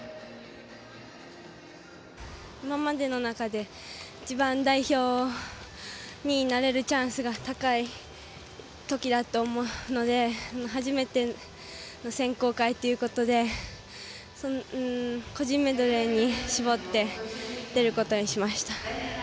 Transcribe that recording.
今までの中で一番代表になれるチャンスが高いときだと思うので初めての選考会ということで個人メドレーに絞って出ることにしました。